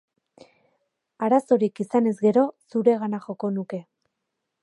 Arazorik izanez gero, zuregana joko nuke.